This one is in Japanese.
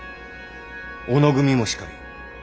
小野組もしかり。